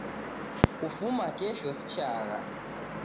Kufuma kesho sichagha